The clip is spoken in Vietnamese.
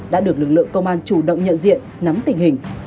đã được lực lượng công an chủ động nhận diện nắm tình hình